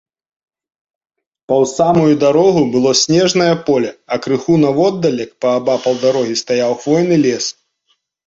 Паўз самую дарогу было снежнае поле, а крыху наводдалек, паабапал дарогі, стаяў хвойны лес.